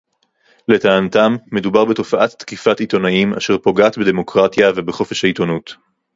לטענתם מדובר בתופעת תקיפת עיתונאים אשר פוגעת בדמוקרטיה ובחופש העיתונות